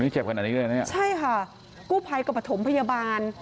ใช่ค่ะกูภัยกับปฐมพยาบาล